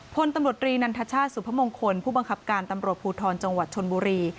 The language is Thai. พลตำรวจรีนันทชาติสุพมงคลผู้บังคับการตำรวจภูทรจังหวัดชนบุรี